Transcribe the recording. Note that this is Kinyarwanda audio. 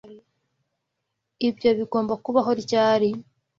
Ibyo bigomba kubaho ryari?